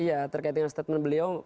iya terkait dengan statement beliau